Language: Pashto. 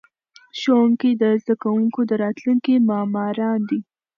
ښوونکي د زده کوونکو د راتلونکي معماران دي.